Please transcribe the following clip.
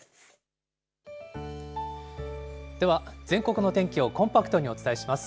では、全国の天気をコンパクトにお伝えします。